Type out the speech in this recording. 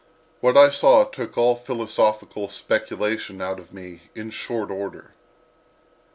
What I saw took all philosophical speculation out of me in short order.